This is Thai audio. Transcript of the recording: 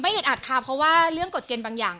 อึดอัดค่ะเพราะว่าเรื่องกฎเกณฑ์บางอย่าง